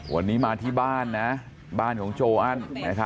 วันนี้มาที่บ้านนะบ้านของโจอัน